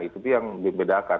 itu yang dibedakan